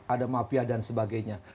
ada mafia dan sebagainya